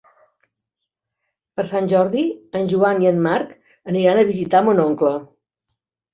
Per Sant Jordi en Joan i en Marc aniran a visitar mon oncle.